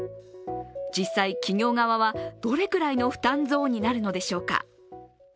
実際、企業側はどれくらいの負担増になるのでしょうか。